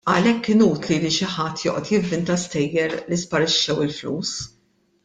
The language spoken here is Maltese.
Għalhekk inutli li xi ħadd joqgħod jivvinta stejjer li sparixxew il-flus.